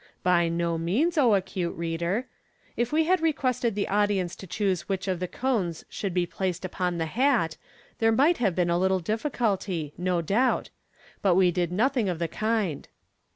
By no means, O acute reader ! If we had requested the audience to choose which of the cones should be placed upon the hat, there might have been a little difficulty, no doubtj but we did nothing of the kind.